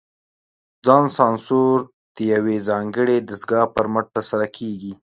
ځان سانسور د یوې ځانګړې دستګاه پر مټ ترسره کېږي.